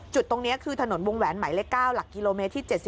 จุดตรงนี้คือถนนวงแหวนหมายเลข๙หลักกิโลเมตรที่๗๒